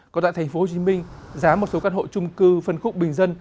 còn tại tp hcm giá một số căn hộ trung cư phân khúc bình dân